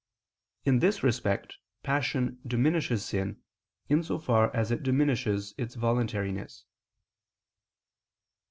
In this respect passion diminishes sin, in so far as it diminishes its voluntariness.